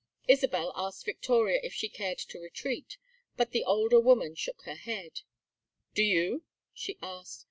Isabel asked Victoria if she cared to retreat, but the older woman shook her head. "Do you?" she asked.